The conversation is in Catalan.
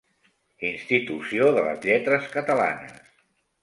Institució de les Lletres Catalanes.